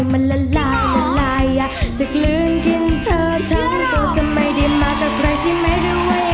เพราะมีหัวใจหัวใจของฉัน